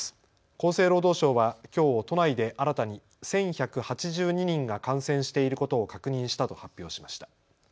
厚生労働省はきょう都内で新たに１１８２人が感染していることを確認したと発表しました。